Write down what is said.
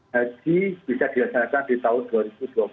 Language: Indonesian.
haji bisa dilaksanakan di tahun dua ribu dua puluh